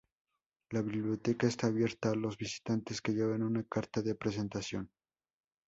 La biblioteca está abierta a los visitantes que lleven una carta de presentación.